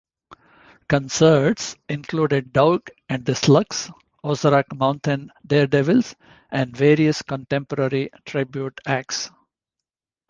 Concerts included Doug and the Slugs, Ozark Mountain Daredevils, and various contemporary tribute acts.